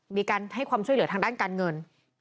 มีการให้ความช่วยเหลือทางด้านการเงิน